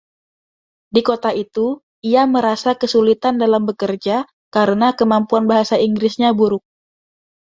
Di kota itu, ia merasa kesulitan dalam bekerja karena kemampuan bahasa Inggrisnya buruk.